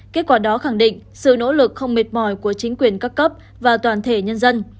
kết quả đó khẳng định sự nỗ lực không mệt mỏi của chính quyền các cấp và toàn thể nhân dân